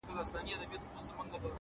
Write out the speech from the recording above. پرېږده د مينې کاروبار سره خبرې کوي!!